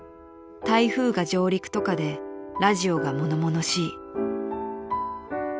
［「台風が上陸とかでラジオが物々しい」］